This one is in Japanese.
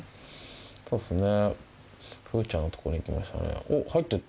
そうっすね風ちゃんのとこに行きましたね。